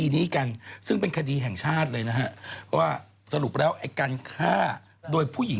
นี้กันซึ่งเป็นคดีแห่งชาติเลยนะฮะว่าสรุปแล้วไอ้การฆ่าโดยผู้หญิง